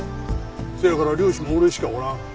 せやから猟師も俺しかおらん。